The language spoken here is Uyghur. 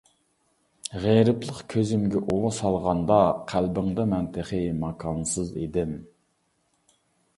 غېرىبلىق كۆزۈمگە ئۇۋا سالغاندا، قەلبىڭدە مەن تېخى ماكانسىز ئىدىم.